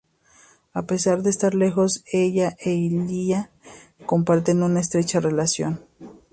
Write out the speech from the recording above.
A pesar de estar lejos, ella e Illya comparten una estrecha relación.